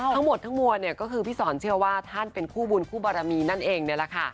ทั้งหมดทั้งมวลเนี่ยก็คือพี่สอนเชื่อว่าท่านเป็นคู่บุญคู่บารมีนั่นเองนี่แหละค่ะ